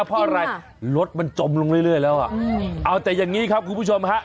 เพราะอะไรรถมันจมลงเรื่อยแล้วอ่ะเอาแต่อย่างนี้ครับคุณผู้ชมฮะ